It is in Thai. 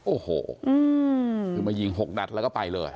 โอ้โหคือมายิง๖นัดแล้วก็ไปเลย